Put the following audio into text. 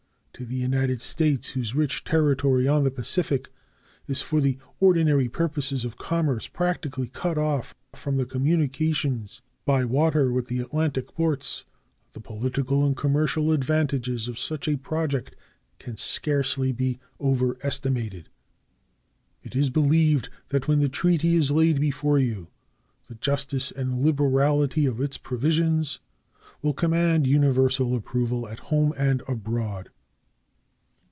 To the United States, whose rich territory on the Pacific is for the ordinary purposes of commerce practically cut off from communication by water with the Atlantic ports, the political and commercial advantages of such a project can scarcely be overestimated. It is believed that when the treaty is laid before you the justice and liberality of its provisions will command universal approval at home and abroad.